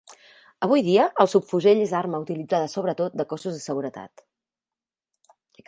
Avui dia el subfusell és arma utilitzada sobretot de cossos de seguretat.